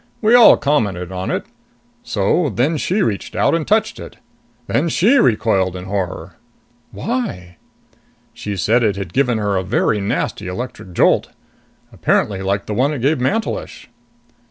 "We all commented on it. So then she reached out and touched it. Then she recoiled in horror." "Why?" "She said it had given her a very nasty electric jolt. Apparently like the one it gave Mantelish."